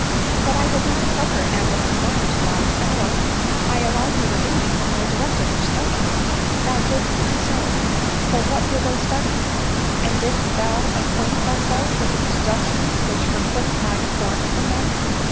.'" But I did not suffer Adeline's mind to lie fallow* I allowed her to read, and I directed her studies." 300 ADELINE MOWBRAY. "Thou didst so; but what were those studies? and didst thou acquaint thyself with the deductions which her quick mind formed from them